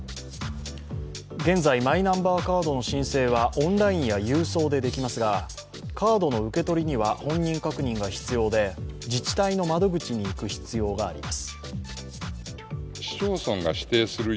現在、マイナンバーカードの申請はオンラインや郵送でできますがカードの受け取りには本人確認が必要で自治体の窓口に行く必要があります。